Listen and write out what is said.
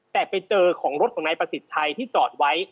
แต่ไปเจอของรถของนายประสิทธิ์ชัยที่จอดไว้